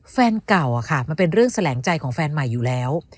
แฟนเก่ามันเป็นเรื่องแสลงใจของแฟนใหม่อยู่แล้ว